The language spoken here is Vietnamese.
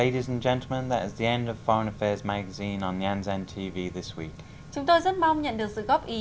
chúng tôi rất mong nhận được sự góp ý